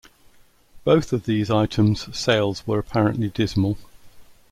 Both of these items' sales were apparently dismal.